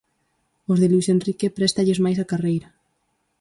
Aos de Luís Enrique préstalles máis a carreira.